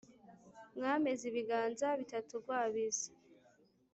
mwameze ibiganza bitatugwabiza